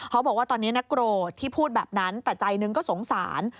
เขาบอกว่าตอนนี้นะโกรธที่พูดแบบนั้นแต่ใจหนึ่งก็สงสาร